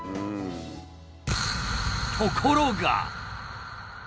ところが。